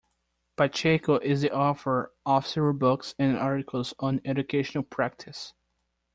Pacheco is the author of several books and articles on Educational practice.